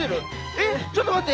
えっちょっと待って。